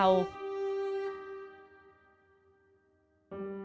นักศึกษาที่สุดท้าย